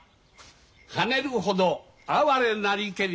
「はねるほど哀れなりけり